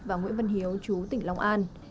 và nguyễn văn hiếu trú tỉnh long an